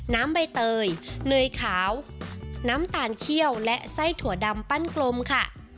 ใบเตยเนยขาวน้ำตาลเขี้ยวและไส้ถั่วดำปั้นกลมค่ะ